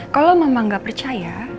kalau mama gak percaya